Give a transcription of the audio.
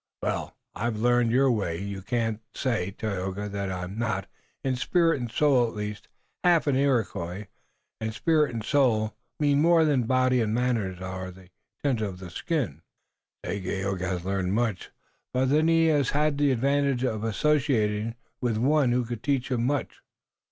"Well, I've learned your way. You can't say, Tayoga, that I'm not, in spirit and soul at least, half an Iroquois, and spirit and soul mean more than body and manners or the tint of the skin." "Dagaeoga has learned much. But then he has had the advantage of associating with one who could teach him much."